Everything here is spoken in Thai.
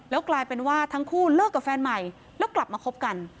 กลายเป็นว่าทั้งคู่เลิกกับแฟนใหม่แล้วกลับมาคบกัน